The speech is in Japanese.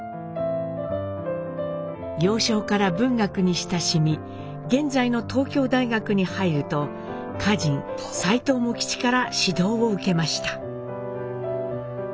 幼少から文学に親しみ現在の東京大学に入ると歌人斎藤茂吉から指導を受けました。